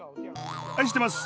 愛してます。